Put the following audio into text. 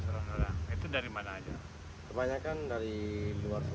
kebanyakan dari luar sumbang dari negara negara dari malaysia banyak